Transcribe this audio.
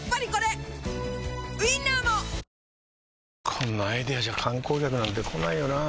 こんなアイデアじゃ観光客なんて来ないよなあ